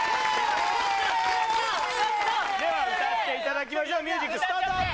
では歌っていただきましょうミュージックスタート！